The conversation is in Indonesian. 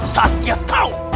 saat dia tahu